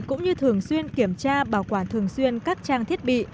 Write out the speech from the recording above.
cũng như thường xuyên kiểm tra bảo quản thường xuyên các trang thiết bị